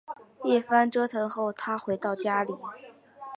一番折腾后她回到家里